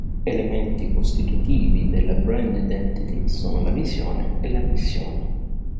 Elementi costitutivi della brand identity sono la visione e la missione.